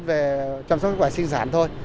về chăm sóc sức khỏe sinh sản thôi